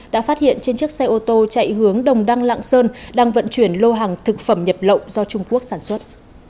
đã phát hiện trên chiếc xe ô tô chạy hướng đồng đăng lạng sơn đang vận chuyển lô hàng thực phẩm nhập lậu do trung quốc sản xuất